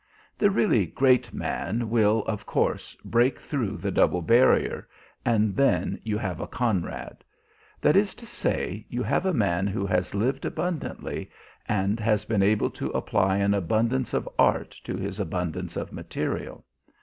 The really great man will, of course, break through the double barrier, and then you have a Conrad: that is to say, you have a man who has lived abundantly and has been able to apply an abundance of art to his abundance of material.